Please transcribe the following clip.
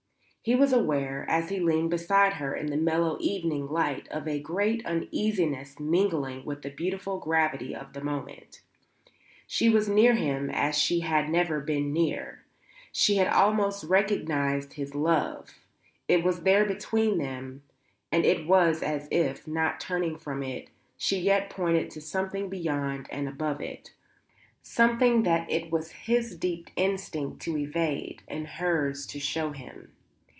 He was aware, as he leaned beside her in the mellow evening light, of a great uneasiness mingling with the beautiful gravity of the moment. She was near him as she had never yet been near. She had almost recognized his love. It was there between them, and it was as if, not turning from it, she yet pointed to something beyond and above it, something that it was his deep instinct to evade and hers to show him.